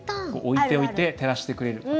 置いておいて、照らしてくれる。